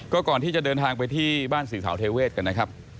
ก่อนที่จะเดินทางไปที่บ้านสื่อสาวเทเวศกันนะครับ